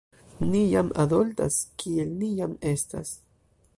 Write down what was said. "Ni jam adoltas kiel ni jam estas."